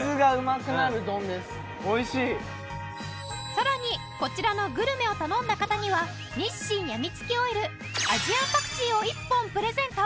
さらにこちらのグルメを頼んだ方には日清やみつきオイルアジアンパクチーを１本プレゼント